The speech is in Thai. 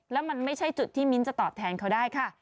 แล้วมันไม่ใช่จุดที่มิ้นจะตอบแทนเขาได้ค่ะ